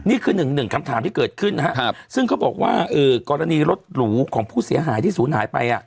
นี่คือหนึ่งคำถามที่เกิดขึ้นนะครับซึ่งเขาบอกว่ากรณีรถหรูของผู้เสียหายที่ศูนย์หายไป